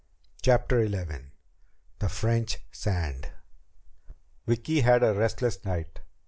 CHAPTER XI The French Sand Vicki had a restless night.